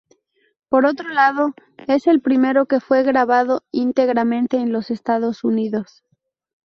Por otro lado, es el primero que fue grabado íntegramente en los Estados Unidos.